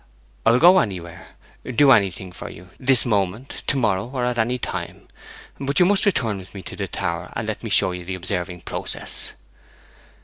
'I will go anywhere do anything for you this moment to morrow or at any time. But you must return with me to the tower, and let me show you the observing process.'